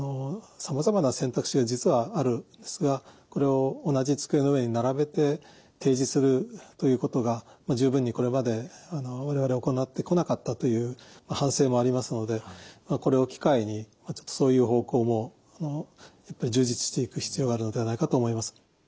さまざまな選択肢が実はあるんですがこれを同じ机の上に並べて提示するということが十分にこれまで我々行ってこなかったという反省もありますのでこれを機会にそういう方向もやっぱり充実していく必要があるのではないかと思います。